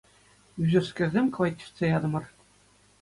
Ӳсӗрскерсем кӑвайт чӗртсе ятӑмӑр.